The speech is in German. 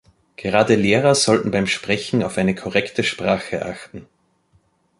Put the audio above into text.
Gerade Lehrer sollten beim Sprechen auf eine korrekte Sprache achten.